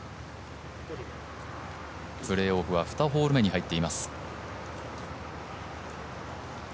プレーオフは２ホール目に入っています。